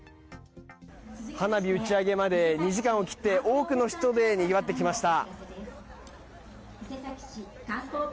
花火打ち上げまで２時間を切って多くの人でにぎわってきました。